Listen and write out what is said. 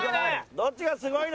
どっちがすごいの？